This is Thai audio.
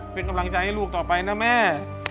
เป็นกำลังใจให้ลูกต่อไปนะแม่